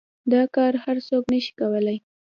دا كار هر سوك نشي كولاى.